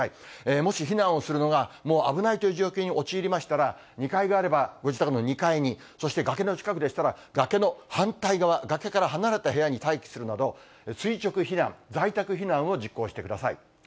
もし避難をするのがもう危ないという状況に陥りましたら、２階があれば、ご自宅の２階に、そして崖の近くでしたら、がけの反対側、崖から離れた部屋に待機するなど、垂直避難、在宅避難を実行してください。